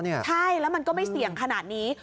ใช่แล้วมันก็ไม่เสี่ยงขนาดนี้